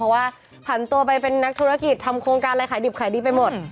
เพราะว่าผันตัวไปเป็นนักธุรกิจทำโครงการอะไรขายดิบขายดีไปหมด